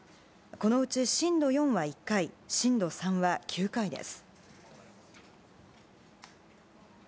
このうち、震度４は１回震度３は９回です。